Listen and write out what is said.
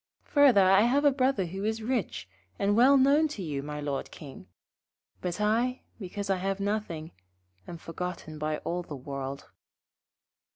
Further, I have a Brother who is rich, and well known to you, my Lord King; but I, because I have nothing, am forgotten by all the world.'